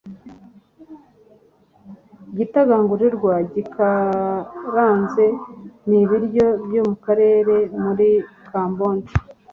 Igitagangurirwa gikaranze ni ibiryo byo mukarere muri Kamboje.